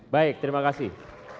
baik terima kasih